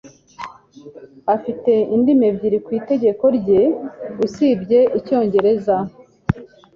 Afite indimi ebyiri ku itegeko rye usibye Icyongereza.